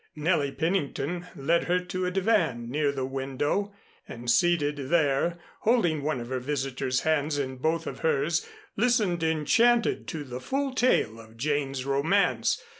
Nellie Pennington led her to a divan near the window, and seated there holding one of her visitor's hands in both of hers, listened enchanted to the full tale of Jane's romance.